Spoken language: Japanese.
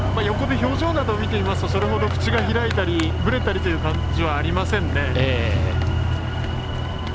横で表情などを見ていますと口が開いたりぶれたりという感じはありません。